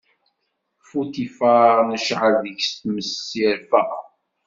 Futifaṛ tecɛel deg-s tmes, irfa.